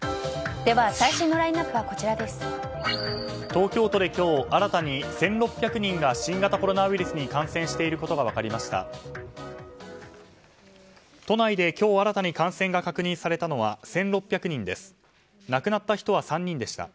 東京都で今日新たに１６００人が新型コロナウイルスに感染していることが分かりました。